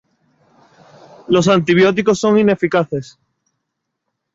Los antibióticos son ineficaces.